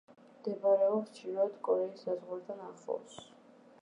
მდებარეობს ჩრდილოეთ კორეის საზღვართან ახლოს.